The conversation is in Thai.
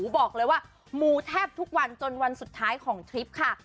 บอกเลยว่ามูแทบทุกวันจนวันสุดท้ายของทริปค่ะ